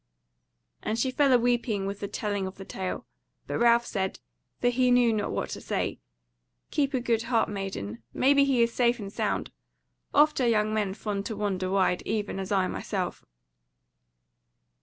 And she fell a weeping with the telling of the tale. But Ralph said (for he knew not what to say): "Keep a good heart, maiden; maybe he is safe and sound; oft are young men fond to wander wide, even as I myself."